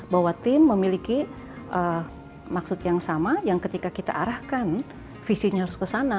bahwa tim memiliki maksud yang sama yang ketika kita arahkan visinya harus ke sana